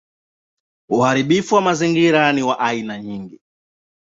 Uharibifu wa mazingira ni wa aina nyingi.